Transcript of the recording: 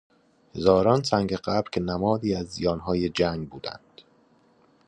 هزاران سنگ قبر که نمادی از زیانهای جنگ بودند